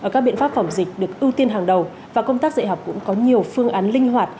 các biện pháp phòng dịch được ưu tiên hàng đầu và công tác dạy học cũng có nhiều phương án linh hoạt